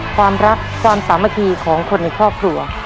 ความรักความสามัคคีของคนในครอบครัว